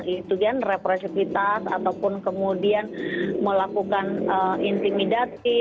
itu kan represifitas ataupun kemudian melakukan intimidasi